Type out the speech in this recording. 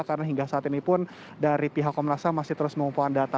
karena hingga saat ini pun dari pihak komnas ham masih terus mengumpulkan data